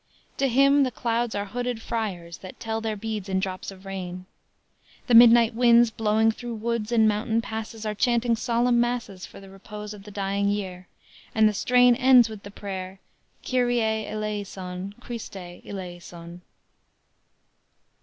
To him the clouds are hooded friars, that "tell their beads in drops of rain;" the midnight winds blowing through woods and mountain passes are chanting solemn masses for the repose of the dying year, and the strain ends with the prayer "Kyrie, eleyson, Christe, eleyson."